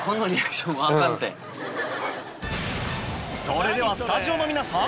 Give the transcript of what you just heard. それではスタジオの皆さん